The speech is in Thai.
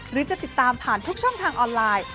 หรือจะติดตามผ่านทุกช่องทางออนไลน์